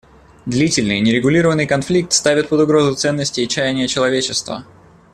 Длительный, неурегулированный конфликт ставит под угрозу ценности и чаяния человечества.